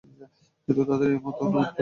কিন্তু তাদের এ মত অত্যন্ত দুর্বল।